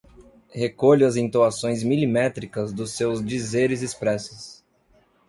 recolho as entoações milimétricas dos seus dizeres expressos